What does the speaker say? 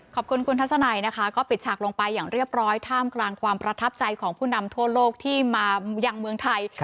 ขอบคุณคุณทัศนัยนะคะก็ปิดฉากลงไปอย่างเรียบร้อยท่ามกลางความประทับใจของผู้นำทั่วโลกที่มายังเมืองไทย